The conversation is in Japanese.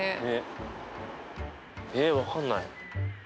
えっ分かんない。